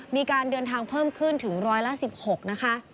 มีการเดินทางเพิ่มขึ้นถึงร้อยละ๑๖นะคะ